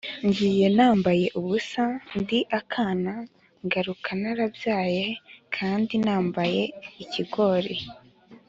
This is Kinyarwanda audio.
Ngiye nambaye ubusa ndi akana ngaruka narabyaye kandi nambaye-Ikigori.